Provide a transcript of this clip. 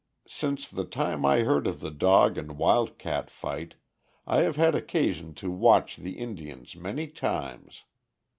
Since the time I heard of the dog and wildcat fight I have had occasion to watch the Indians many times.